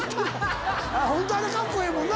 本当あれカッコええもんな。